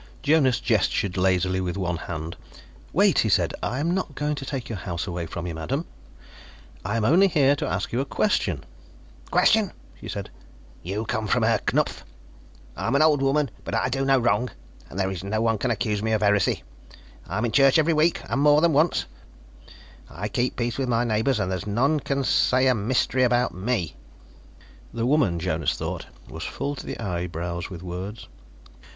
Jonas gestured lazily with one hand. "Wait," he said. "I am not going to take your house away from you, madam. I am only here to ask you a question." "Question?" she said. "You come from Herr Knupf? I'm an old woman but I do no wrong, and there is no one can accuse me of heresy. I am in church every week, and more than once; I keep peace with my neighbors and there's none can say a mystery about me " The woman, Jonas thought, was full to the eyebrows with words.